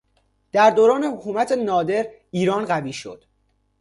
در دوران حکومت نادر ایران قوی شد.